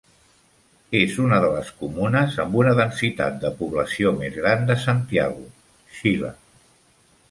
És una de les comunes amb una densitat de població més gran de Santiago, Xile.